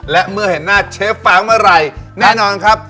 และเมื่อเห็นหน้าเชฟฟ้างเมื่อไหร่แน่นอนครับ